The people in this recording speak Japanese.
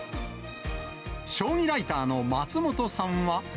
将棋ライターの松本さんは。